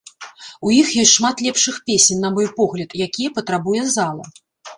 У іх ёсць шмат лепшых песень, на мой погляд, якія патрабуе зала.